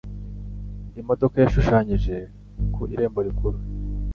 Imodoka yashushanyije ku irembo rikuru.